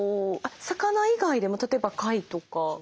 魚以外でも例えば貝とか？